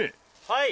「はい。